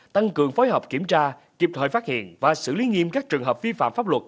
tăng cường phối hợp kiểm tra kịp thời phát hiện và xử lý nghiêm các trường hợp vi phạm pháp luật